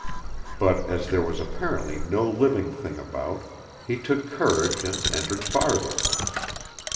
But, as there was apparently no living thing about, he took courage and entered farther.